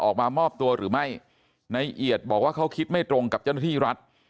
ออกมามอบตัวหรือไม่ในเอียดบอกว่าเขาคิดไม่ตรงกับเจ้าหน้าที่รัฐ